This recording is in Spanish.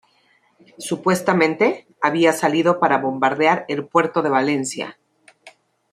Supuestamente, había salido para bombardear el puerto de Valencia.